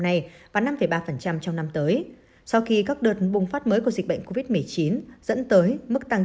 nay và năm ba trong năm tới sau khi các đợt bùng phát mới của dịch bệnh covid một mươi chín dẫn tới mức tăng